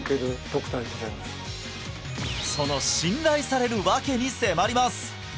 その信頼される訳に迫ります！